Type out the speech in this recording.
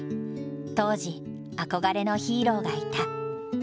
当時憧れのヒーローがいた。